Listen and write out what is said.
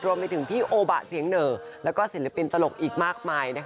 รวมไปถึงพี่โอบะเสียงเหนอแล้วก็ศิลปินตลกอีกมากมายนะคะ